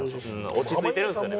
落ち着いてるんですよね